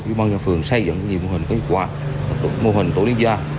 bởi vì phòng phường xây dựng nhiều mô hình có hiệu quả mô hình tổ liên gia